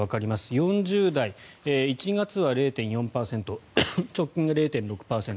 ４０代、１月は０．４％直近で０．６％。